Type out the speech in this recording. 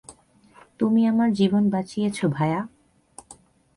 তুমি আমার জীবন বাঁচিয়েছ, ভায়া।